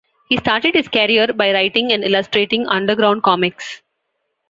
He started his career by writing and illustrating underground comics.